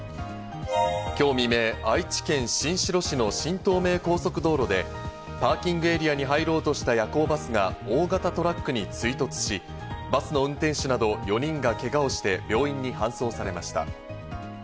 今日未明、愛知県新城市の新東名高速道路でパーキングエリアに入ろうとした夜行バスが大型トラックに追突し、バスの運転手など４人がけがをして病院に搬送されました。